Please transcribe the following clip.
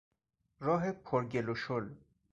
راه پر گل و شل